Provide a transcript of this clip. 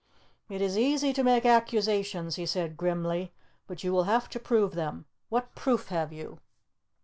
"It is easy to make accusations," he said grimly, "but you will have to prove them. What proof have you?"